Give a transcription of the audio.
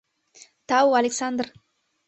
— Тау, Александр!